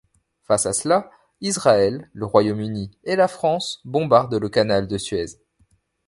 Face à cela, Israël, le Royaume-Uni et la France bombardent le canal de Suez.